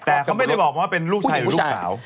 แต่เขาไม่ได้บอกว่าเป็นลูกชายหรือลูกสาว